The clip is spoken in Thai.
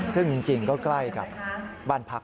ซึ่งจริงก็ใกล้กับบ้านพัก